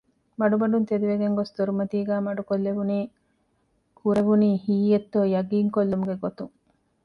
މަޑުމަޑުން ތެދުވެގެންގޮސް ދޮރުމަތީގައި މަޑުކޮށްލެވުނީ ކުރެވުނީ ހީއެއްތޯ ޔަޤީންކޮށްލުމުގެ ގޮތުން